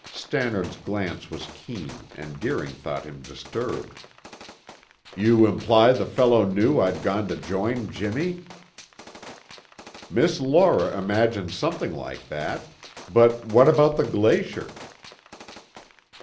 Stannard's glance was keen and Deering thought him disturbed. "You imply the fellow knew I'd gone to join Jimmy?" "Miss Laura imagined something like that. But what about the glacier?"